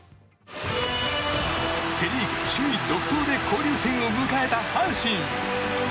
セ・リーグ首位独走で交流戦を迎えた阪神。